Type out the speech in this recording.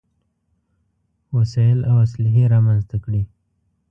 وسايل او اسلحې رامنځته کړې.